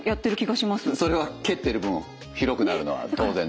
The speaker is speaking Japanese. それは蹴ってる分広くなるのは当然ですよね。